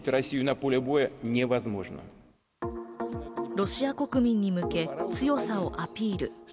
ロシア国民に向け、強さをアピール。